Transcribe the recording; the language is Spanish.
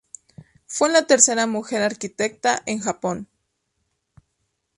Fue la tercera mujer arquitecta en Japón.